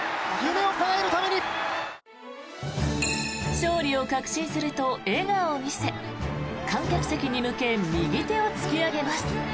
勝利を確信すると笑顔を見せ観客席に向け右手を突き上げます。